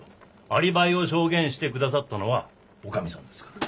アリバイを証言してくださったのは女将さんですから。